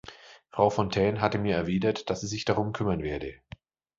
Frau Fontaine hatte mir erwidert, dass sie sich darum kümmern werde.